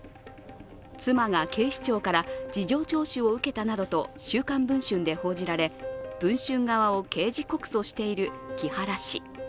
妻が警視庁から事情聴取を受けたなどと「週刊文春」で報じられ、文春側を刑事告訴している木原氏。